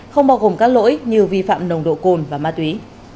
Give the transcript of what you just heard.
không bao gồm các lỗi như vi phạm nồng độ cồn và ma túy